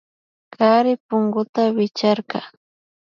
Kari punguta wichkarka